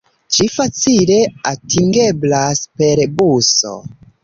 Ĝi facile atingeblas per buso.